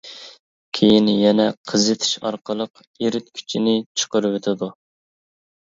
كېيىن يەنە قىزىتىش ئارقىلىق ئېرىتكۈچىنى چىقىرىۋېتىدۇ.